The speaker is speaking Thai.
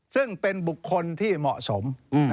ซึ่งเป็นบุคคลที่เหมาะสม